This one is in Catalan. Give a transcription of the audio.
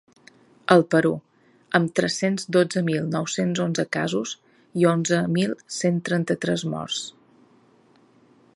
El Perú: amb tres-cents dotze mil nou-cents onze casos i onzen mil cent trenta-tres morts.